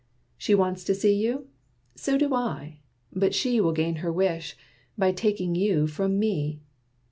She wants to see you? So do I: but she Will gain her wish, by taking you from me.